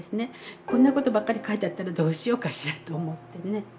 こんなことばっかり書いてあったらどうしようかしらと思ってね。